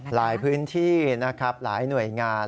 หลายพื้นที่นะครับหลายหน่วยงาน